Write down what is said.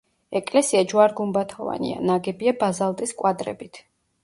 ეკლესია ჯვარ-გუმბათოვანია, ნაგებია ბაზალტის კვადრებით.